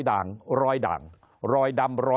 คนในวงการสื่อ๓๐องค์กร